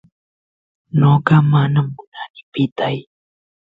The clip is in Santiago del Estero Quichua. noqa mana munani pitay